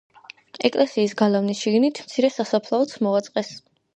ეკლესიის გალავნის შიგნით მცირე სასაფლაოც მოაწყვეს.